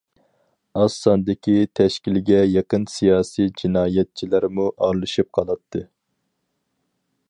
ئاز ساندىكى تەشكىلگە يېقىن سىياسىي جىنايەتچىلەرمۇ ئارىلىشىپ قالاتتى.